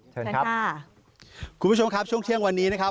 เชิญครับคุณผู้ชมครับช่วงเที่ยงวันนี้นะครับ